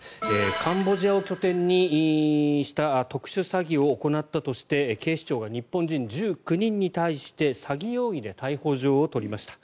カンボジアを拠点にした特殊詐欺を行ったとして警視庁が日本人１９人に対して詐欺容疑で逮捕状を取りました。